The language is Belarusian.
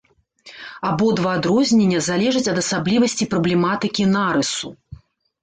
Абодва адрознення залежаць ад асаблівасцей праблематыкі нарысу.